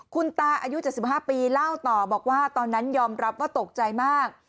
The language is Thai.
คุณตาอายุ๗๕ปีเล่าต่อบอกว่าตอนนั้นยอมรับว่าตกใจมาก